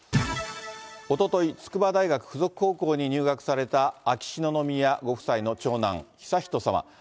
おととい、筑波大学附属高校に入学された秋篠宮ご夫妻の長男、悠仁さま。